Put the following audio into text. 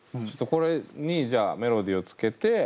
ちょっとこれにじゃあメロディーをつけて。